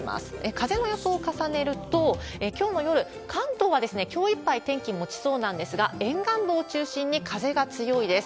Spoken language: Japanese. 風の予想を重ねると、きょうの夜、関東はきょういっぱい天気もちそうなんですが、沿岸部を中心に風が強いです。